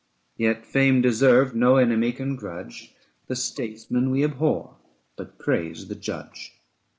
185 Yet fame deserved no enemy can grudge ; The statesman we abhor, but praise the judge.